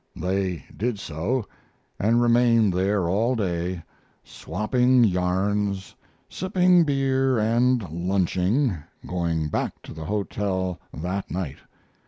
They did so, and remained there all day, swapping yarns, sipping beer, and lunching, going back to the hotel that night.